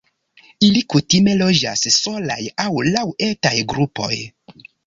Ili kutime loĝas solaj aŭ laŭ etaj grupoj.